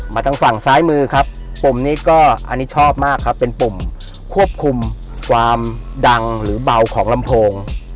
ทางฝั่งซ้ายมือครับปุ่มนี้ก็อันนี้ชอบมากครับเป็นปุ่มควบคุมความดังหรือเบาของลำโพง